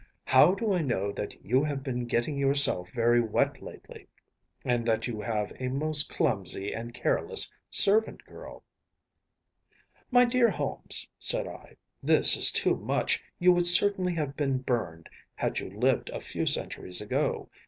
How do I know that you have been getting yourself very wet lately, and that you have a most clumsy and careless servant girl?‚ÄĚ “My dear Holmes,‚ÄĚ said I, “this is too much. You would certainly have been burned, had you lived a few centuries ago.